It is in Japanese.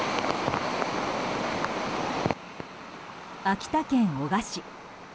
秋田県男鹿市。